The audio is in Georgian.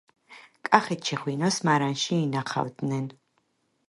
კახეთში ღვინოს მარანში ინახავდნენ